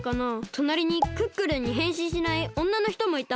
となりにクックルンにへんしんしないおんなのひともいた。